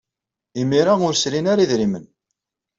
Imir-a, ur srin ara idrimen.